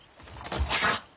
まさか！